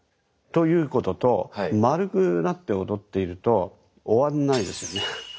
ということと丸くなって踊っていると終わんないですよね。